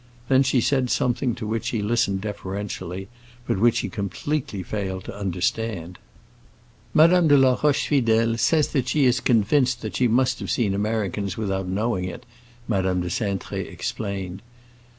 Then she said something to which he listened deferentially, but which he completely failed to understand. "Madame de la Rochefidèle says that she is convinced that she must have seen Americans without knowing it," Madame de Cintré explained.